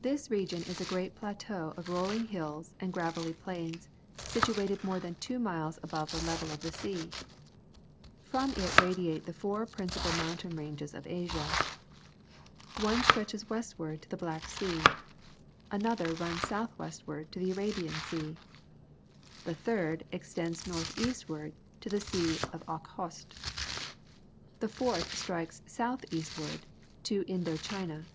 This region is a great plateau of rolling hills and gravelly plains, situated more than two miles above the level of the sea. From it radiate the four principal mountain ranges of Asia. One stretches westward to the Black Sea; an other runs south westwardtothe. lra6i"an Sea; the third extends north eastward to the Sea of Okhotsk; the fourth strikes south eastward to Indo Chit^a.